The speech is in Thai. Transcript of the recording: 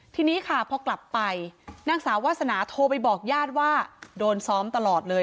ทีนี้ค่ะพอกลับไปนางสาววาสนาโทรไปบอกญาติว่าโดนซ้อมตลอดเลย